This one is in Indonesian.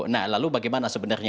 nah lalu bagaimana sebenarnya